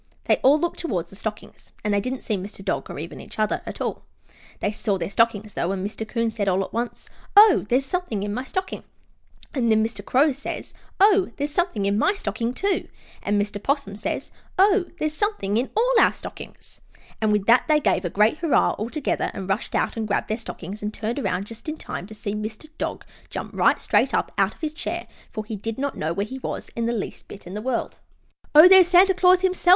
They all looked toward the stockings, and they didn't see Mr. Dog, or even each other, at all. They saw their stockings, though, and Mr. 'Coon said all at once: "Oh, there's something in my stocking!" And then Mr. Crow says: "Oh, there's something in my stocking, too!" And Mr. 'Possum says: "Oh, there's something in all our stockings!" [Illustration: TO SEE MR. DOG JUMP RIGHT STRAIGHT OUT OF HIS CHAIR.] And with that they gave a great hurrah all together, and rushed out and grabbed their stockings and turned around just in time to see Mr. Dog jump right straight up out of his chair, for he did not know where he was the least bit in the world. "Oh, there's Santa Claus himself!"